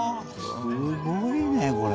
すごいねこれ。